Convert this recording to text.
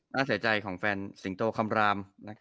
น่าเสียใจของแฟนสิงโตคำราม